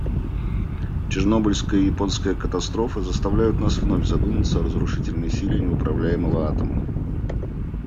Чернобыльская и японская катастрофы заставляют нас вновь задуматься о разрушительной силе неуправляемого атома.